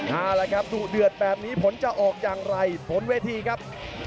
เอาละครับดุเดือดแบบนี้ผลจะออกอย่างไรผลเวทีครับ